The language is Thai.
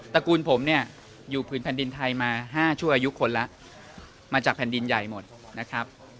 ระกูลผมเนี่ยอยู่ผืนแผ่นดินไทยมา๕ชั่วอายุคนแล้วมาจากแผ่นดินใหญ่หมดนะครับ